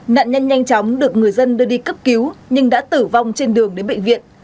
nạn nhân nhanh chóng được người dân đưa đi cấp cứu nhưng đã tử vong trên đường đến bệnh viện